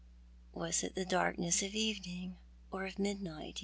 Was it the dark ness of eveuing, or of midnight?